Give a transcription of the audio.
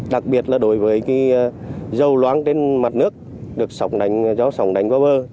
đặc biệt là đối với dầu loáng trên mặt nước được sóng đánh do sóng đánh vào bờ